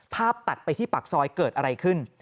ตัดไปที่ปากซอยเกิดอะไรขึ้น